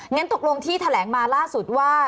งั้นตกลงที่แถลงมาล่าสุดว่า